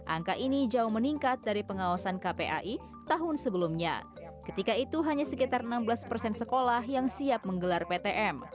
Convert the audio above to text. angka ini jauh meningkat dari pengawasan kpai tahun sebelumnya ketika itu hanya sekitar enam belas persen sekolah yang siap menggelar ptm